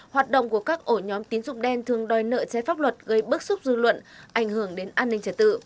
hoạt động của các ổ nhóm tín dụng đen thường đòi nợ chế pháp luật gây bức xúc dư luận ảnh hưởng đến an ninh trật tự